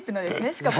しかも。